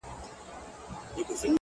• د انغري له خوانه خړې سونډې بيا راغلله,